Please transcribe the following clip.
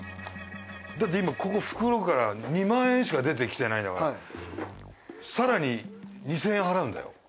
だって今ここ袋から２万円しか出てきてないのが更に２，０００円払うんだよ？